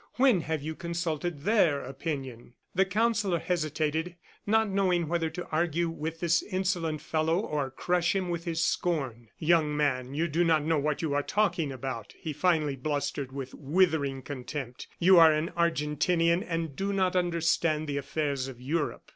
"When have you consulted their opinion?" The Counsellor hesitated, not knowing whether to argue with this insolent fellow or crush him with his scorn. "Young man, you do not know what you are talking about," he finally blustered with withering contempt. "You are an Argentinian and do not understand the affairs of Europe."